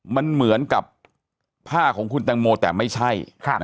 มันเหมือนกับผ้าของคุณแตงโมแต่ไม่ใช่